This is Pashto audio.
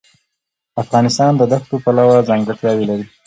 افغانستان د دښتو پلوه ځانګړتیاوې لري.